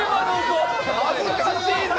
恥ずかしいぜ！